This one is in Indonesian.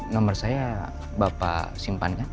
nomor saya bapak simpan kan